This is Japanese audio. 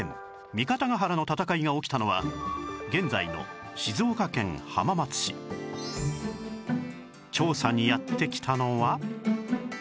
三方ヶ原の戦いが起きたのは現在の調査にやって来たのは